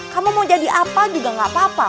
kamu mau jadi apa juga gak apa apa